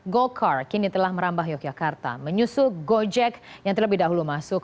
go kart kini telah merambah yogyakarta menyusuk gojek yang terlebih dahulu masuk